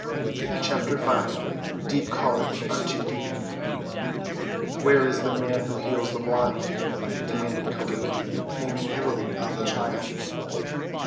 CHAPTER V DEEP CALLETH UNTO DEEP "Where is the man who heals the blind?" demanded Chelluh, leaning heavily on the child.